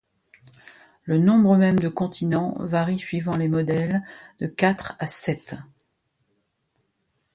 Le nombre même de continents varie suivant les modèles, de quatre à sept.